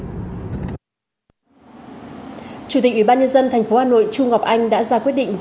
chủ tịch ủy ban nhân dân tp hà nội trung ngọc anh đã ra quyết định